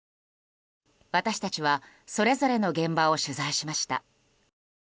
私たちは、それぞれの現場を取材しました。